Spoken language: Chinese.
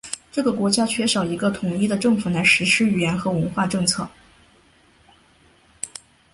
这个国家缺少一个统一的政府来实施语言和文化政策。